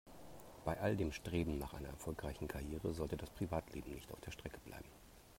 Bei all dem Streben nach einer erfolgreichen Karriere sollte das Privatleben nicht auf der Strecke bleiben.